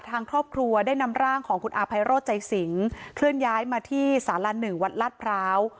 ทางครอบครัวได้นำร่างของคุณอาภัยโรธใจสิงเคลื่อนย้ายมาที่สาระหนึ่งวัดลาดพร้าว